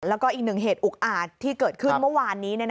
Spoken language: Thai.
แล้วก็อีกหนึ่งเหตุอุกอาจที่เกิดขึ้นเมื่อวานนี้